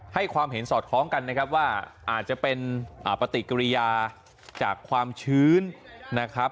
ความเห็นสอดคล้องกันนะครับว่าอาจจะเป็นปฏิกิริยาจากความชื้นนะครับ